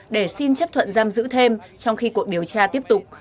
để xin chấp thuận giam giữ thêm trong khi cuộc điều tra tiếp tục